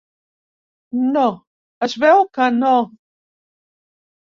No, es veu que no.